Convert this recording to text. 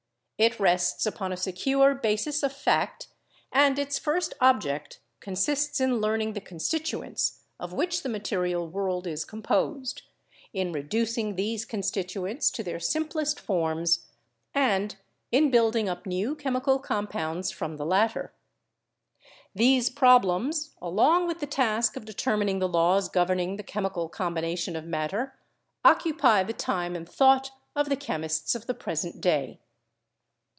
It rests upon a secure basis of fact, and its first object 6 CHEMISTRY consists in learning the constituents of which the material world is composed, in reducing these constituents to their simplest forms, and in building up new chemical compounds from the latter. These problems, along with the task of determining the laws governing the chemical combination of matter, occupy the time and thought of the chemists of the present day.